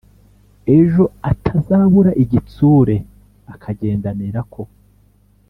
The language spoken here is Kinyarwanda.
ejo atazabura igitsure, akagendanira ko.